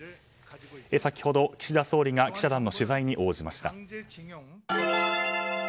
先ほど、岸田総理が記者団の取材に応じました。